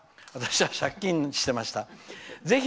私は借金してました。